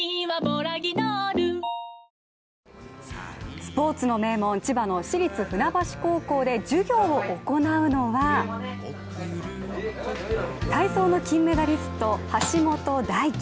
スポーツの名門、千葉の市立船橋高校で授業を行うのは体操の金メダリスト、橋本大輝。